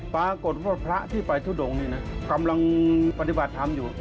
ปรากฏว่าพระที่ไปทุดงนี่นะกำลังปฏิบัติธรรมอยู่